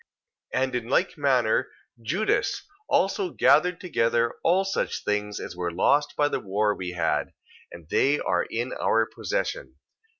2:14. And in like manner Judas also gathered together all such things as were lost by the war we had, and they are in our possession.